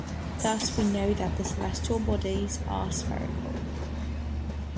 Thus we know that the celestial bodies are spherical.